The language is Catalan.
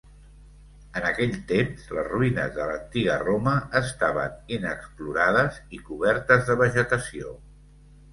En aquell temps, les ruïnes de l'antiga Roma estaven inexplorades i cobertes de vegetació.